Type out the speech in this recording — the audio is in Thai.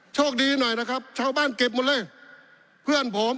โชคดีหน่อยนะครับชาวบ้านเก็บหมดเลยเพื่อนผม